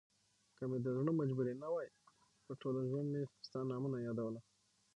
که مې دزړه مجبوري نه وای په ټوله ژوندمي ستا نامه نه يادوله